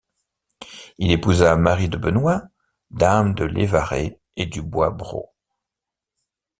Il épousa Marie de Benoit, dame de Lévaré et du Bois-Brault.